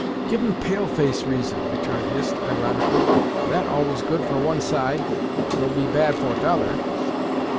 "Give 'em pale face reason," returned Hist, ironically "that always good for one side; though he bad for t'other."